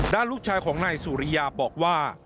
ลูกชายของนายสุริยาบอกว่า